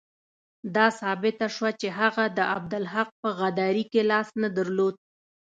دا ثابته شوه چې هغه د عبدالحق په غداري کې لاس نه درلود.